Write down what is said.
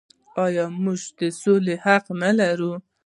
آیا موږ د سولې حق نلرو؟